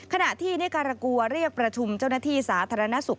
ขณะที่ในการกลัวเรียกประชุมเจ้าหน้าที่สาธารณสุข